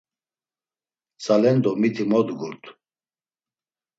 Tzalendo miti mo dgurt.